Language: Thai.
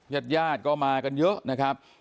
ญาติญาติก็มากันเยอะนะครับ